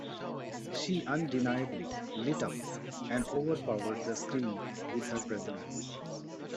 She undeniably lit up and overpowered the screen with her presence.